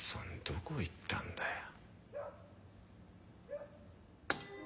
どこ行ったんだよ。